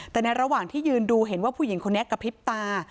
แต่ในระหว่างที่ยืนดูเห็นว่าผู้หญิงคนนี้กระพริบตา